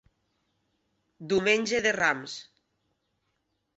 Diumenge de Rams.